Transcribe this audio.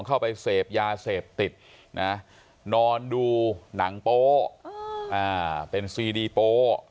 เข้าไปเสพยาเสพติดนะนอนดูหนังโป๊ะเป็นซีดีโป๊